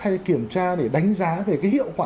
hay kiểm tra để đánh giá về cái hiệu quả